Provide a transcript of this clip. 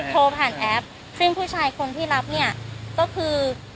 โทรผ่านแอปซึ่งผู้ชายคนที่รับเนี่ยก็คือ